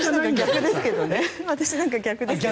私なんかは逆です。